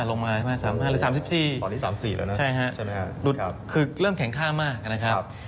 ตอนนี้๓๔แล้วนะใช่มั้ยฮะคือเรื่องแข็งค่ามากนะครับ